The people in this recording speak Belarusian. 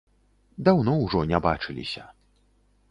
Даўно ўжо не бачыліся.